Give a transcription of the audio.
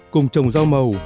cùng trồng rau màu